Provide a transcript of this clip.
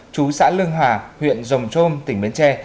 trú xã lương hòa huyện dồng trôm tỉnh bến tre